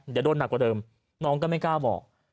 เดี๋ยวโดนหนักกว่าเดิมน้องก็ไม่กล้าบอก